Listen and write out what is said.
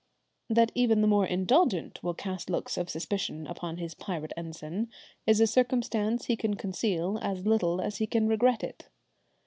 That even the more indulgent will cast looks of suspicion upon his pirate ensign is a circumstance he can conceal as little as he can regret it.